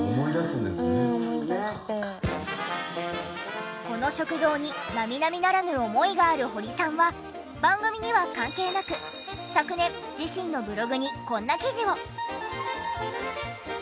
この食堂に並々ならぬ思いがある堀さんは番組には関係なく昨年自身のブログにこんな記事を。